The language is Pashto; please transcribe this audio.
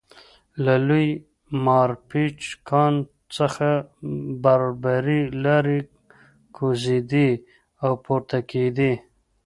له لوی مارپیچ کان څخه باربري لارۍ کوزېدې او پورته کېدې